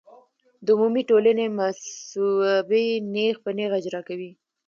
د عمومي ټولنې مصوبې نېغ په نېغه اجرا کوي.